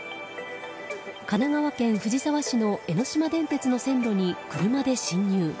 神奈川県藤沢市の江ノ島電鉄の線路に車で侵入。